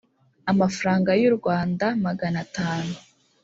amafaranga y u rwanda magana atanu